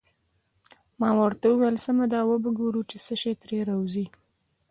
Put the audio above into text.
ما ورته وویل: سمه ده، وبه ګورو چې څه شي ترې راوزي.